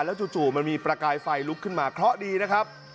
จู่มันมีประกายไฟลุกขึ้นมาเคราะห์ดีนะครับ